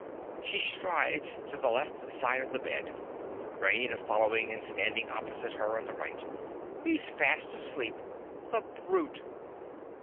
(She strides to the left side of the bed, Raina following and standing opposite her on the right.) He's fast asleep. The brute!